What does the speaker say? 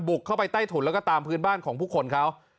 เข้าไปใต้ถุนแล้วก็ตามพื้นบ้านของผู้คนเขา